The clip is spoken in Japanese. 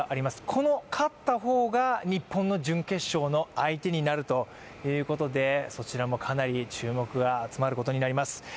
この勝った方が日本の準決勝の相手になるということで、そちらもかなり注目が集まることになります。